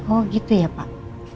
oh gitu ya pak